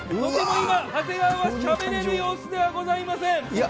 今、長谷川はしゃべれる様子ではございません。